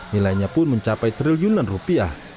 nilainya pun mencapai triliunan rupiah